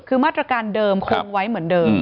คือมาตรการเดิมคงไว้เหมือนเดิม